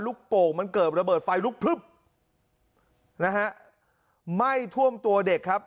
โป่งมันเกิดระเบิดไฟลุกพลึบนะฮะไหม้ท่วมตัวเด็กครับ